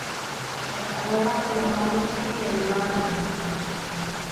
Kaʼkaróma noʼnowamíčio teiwáme.